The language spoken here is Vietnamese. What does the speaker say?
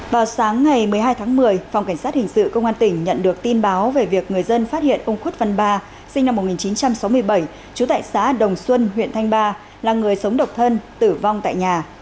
vào sáng ngày một mươi hai tháng một mươi phòng cảnh sát hình sự công an tỉnh nhận được tin báo về việc người dân phát hiện ông khuất văn ba sinh năm một nghìn chín trăm sáu mươi bảy trú tại xã đồng xuân huyện thanh ba là người sống độc thân tử vong tại nhà